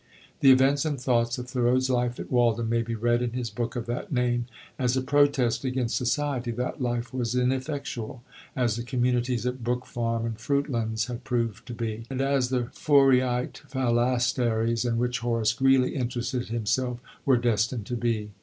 The events and thoughts of Thoreau's life at Walden may be read in his book of that name. As a protest against society, that life was ineffectual, as the communities at Brook Farm and Fruitlands had proved to be; and as the Fourierite phalansteries, in which Horace Greeley interested himself, were destined to be.